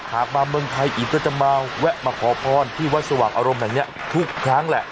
หากมาเมืองไทยอีกก็จะมาแวะมาขอพรที่วัดสว่างอารมณ์แห่งนี้ทุกครั้งแหละ